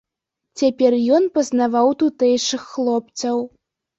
Цяпер ён пазнаваў тутэйшых хлопцаў.